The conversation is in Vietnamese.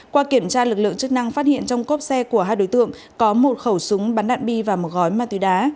qua kiểm tra lực lượng chức năng phát hiện trong cốp xe của hai đối tượng có một khẩu súng bắn đạn bi và một gói ma túy đá